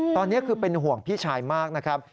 ตอนนี้คือเป็นห่วงพี่ชายมากนะครับ